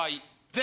０！